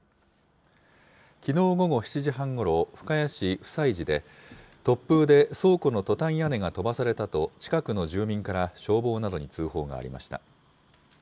きのう午後７時半ごろ、深谷市普済寺で、突風で倉庫のトタン屋根が飛ばされたと、近くの住民から消防などに通報がありました。